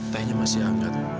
tehnya masih hangat